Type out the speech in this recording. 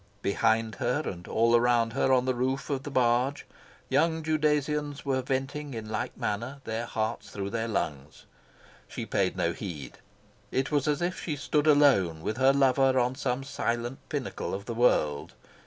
Behind her and all around her on the roof of the barge, young Judasians were venting in like manner their hearts through their lungs. She paid no heed. It was as if she stood alone with her lover on some silent pinnacle of the world.